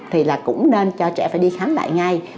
thì là cũng nên cho trẻ phải đi khám lại ngay